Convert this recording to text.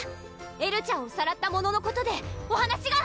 エルちゃんをさらった者のことでお話が！